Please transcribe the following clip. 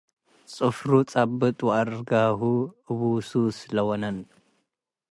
ጽፍሩ ጸብጥ ወአርግሁ - አቡሱሰ ለወነን